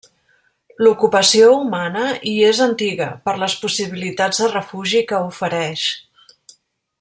L'ocupació humana hi és antiga, per les possibilitats de refugi que ofereix.